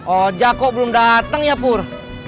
oh jako belum datang ya pur